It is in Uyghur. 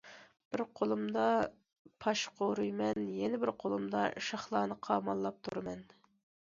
بىر قولۇمدا پاشا قورۇيمەن، يەنە بىر قولۇمدا شاخلارنى قاماللاپ تۇرىمەن.